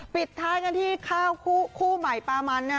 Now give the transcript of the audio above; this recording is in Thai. ปิดท้ายกันที่ข้าวคู่ใหม่ปามันนะฮะ